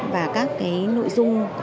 và các cái nội dung